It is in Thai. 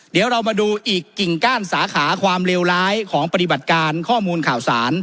เดี๋ยวเรามาดูอีกกิ่งก้านสาขาความเลวร้ายของปฏิบัติการข้อมูลข่าวสาร